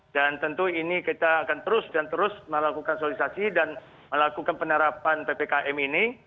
dan tentu ini kita akan terus dan terus melakukan solidisasi dan melakukan penerapan ppkm ini